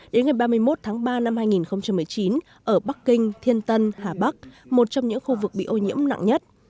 đến ngày ba mươi một tháng ba năm hai nghìn một mươi chín ở bắc kinh thiên tân hà bắc một trong những khu vực bị ô nhiễm nặng nhất